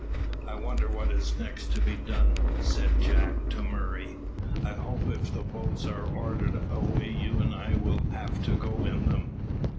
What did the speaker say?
"I wonder what is next to be done," said Jack to Murray; "I hope if the boats are ordered away you and I will have to go in them."